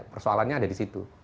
persoalannya ada di situ